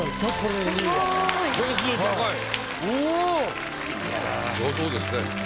上等ですね。